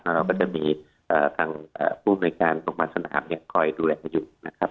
แล้วเราก็จะมีทางภูมิในการสงบัตรสนามคอยดูแลอยู่นะครับ